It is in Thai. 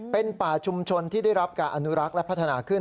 เป็นป่าชุมชนที่ได้รับการอนุรักษ์และพัฒนาขึ้น